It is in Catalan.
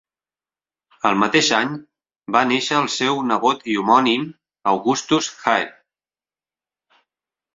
El mateix any, va néixer el seu nebot i homònim, Augustus Hare.